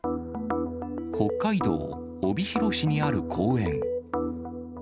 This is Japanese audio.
北海道帯広市にある公園。